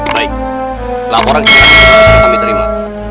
baik laporan kita kami terima